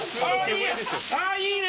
いいね！